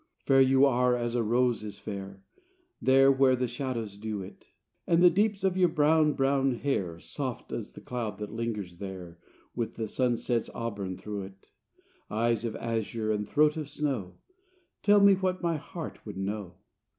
IV Fair you are as a rose is fair, There where the shadows dew it; And the deeps of your brown, brown hair, Soft as the cloud that lingers there With the sunset's auburn through it. Eyes of azure and throat of snow, Tell me what my heart would know!